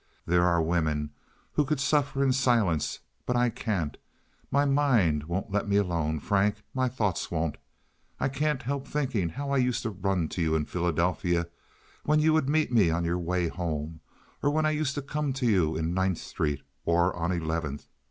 There are women who could suffer in silence, but I can't. My mind won't let me alone, Frank—my thoughts won't. I can't help thinking how I used to run to you in Philadelphia, when you would meet me on your way home, or when I used to come to you in Ninth Street or on Eleventh.